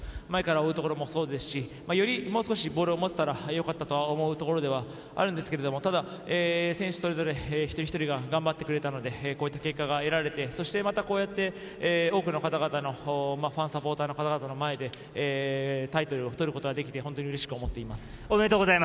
前から追うところもそうですし、もう少しボールを持てたらよかったと思うところではあるんですけれど、選手それぞれ一人一人が頑張ってくれたので、こういった結果が得られて、多くの方々、ファン、サポーターの前でタイトルを取ることができて本当にうれしく思っています。